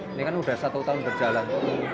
ini kan sudah satu tahun berjalan